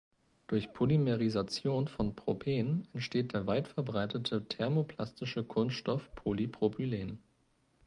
Durch Polymerisation von Propen entsteht der weitverbreitete thermoplastische Kunststoff Polypropylen.